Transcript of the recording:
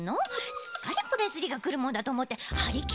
すっかりプレスリーがくるもんだとおもってはりきってるのよ？